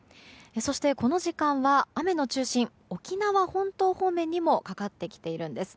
そして、この時間は雨の中心、沖縄本島方面にもかかってきているんです。